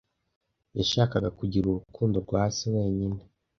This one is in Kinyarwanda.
Yashakaga kugira urukundo rwa se wenyine.